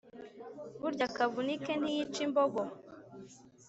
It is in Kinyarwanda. burya kavunike ntiyica imbogo